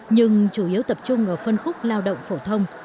nhưng chủ yếu tập trung ở phân khúc lao động phổ thông